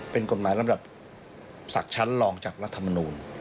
เป็นกฎหมายลำดับศักดิ์ชั้นรองจากรัฐมนูล